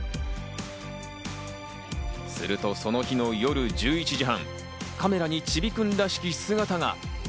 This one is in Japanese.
するとその日の夜１１時３０分、カメラにちびくんらしき姿が。